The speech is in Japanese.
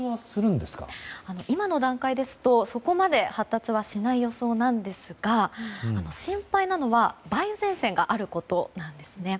今の段階ですとそこまで発達しない予想ですが心配なのは梅雨前線があることなんですね。